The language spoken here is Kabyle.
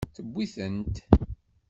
Tewwi-tent.